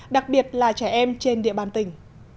đặc biệt là trẻ em trên địa bàn tỉnh